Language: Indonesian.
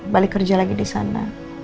balik kerja lagi disana